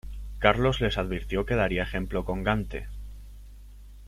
Carlos les advirtió que daría ejemplo con Gante.